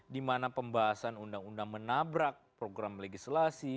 di mana pembahasan undang undang menabrak program legislasi